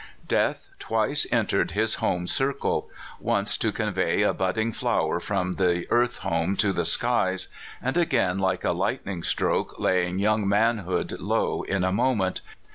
Death twice entered his home circle once to convey a budding flower from the earth home to the skies, and again like a lightning stroke laying young manhood low in a moment.